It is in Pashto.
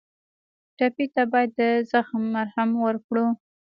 ټپي ته باید د زخم مرهم ورکړو.